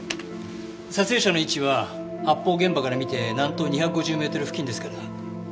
撮影者の位置は発砲現場から見て南東２５０メートル付近ですからこの辺りですかね。